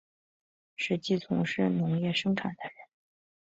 实际从事农业生产的人